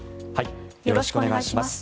よろしくお願いします。